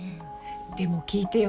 でも聞いてよ。